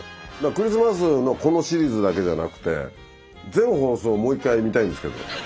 クリスマスのこのシリーズだけじゃなくて全放送もう一回見たいんですけど。